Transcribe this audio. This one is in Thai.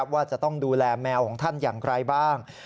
ว่าจะต้องดูแลแมวของท่านอย่างไรบ้าง